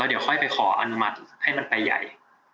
เดี๋ยวค่อยไปขออนุมัติให้มันไปใหญ่